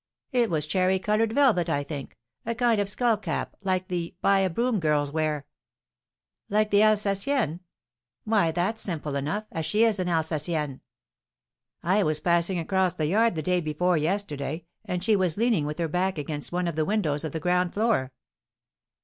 "It was cherry coloured velvet, I think; a kind of skull cap like the 'buy a broom' girls wear." "Like the Alsaciennes? Why, that's simple enough, as she is an Alsacienne!" "I was passing across the yard the day before yesterday, and she was leaning with her back against one of the windows of the ground floor."